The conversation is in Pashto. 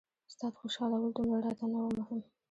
استاد خوشحالول دومره راته نه وو مهم.